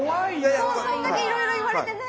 こんだけいろいろ言われてね。